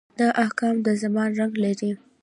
دا احکام د زمان رنګ لري.